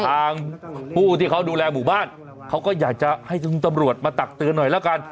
ทางผู้ที่เขาดูแลหมู่บ้านเขาก็อยากจะให้คุณตำรวจมาตักเตือนหน่อยแล้วกัน